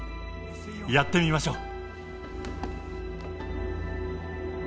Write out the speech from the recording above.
やってみましょう。